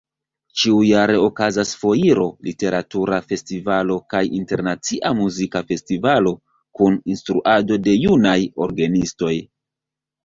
Ĉiujare okazas foiro, literatura festivalo kaj internacia muzika festivalo kun instruado de junaj orgenistoj.